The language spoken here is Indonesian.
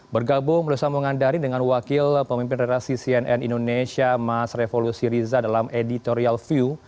bergabung lusa mengandari dengan wakil pemimpin relasi cnn indonesia mas revolusi riza dalam editorial view